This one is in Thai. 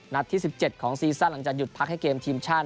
ที่๑๗ของซีซั่นหลังจากหยุดพักให้เกมทีมชาติ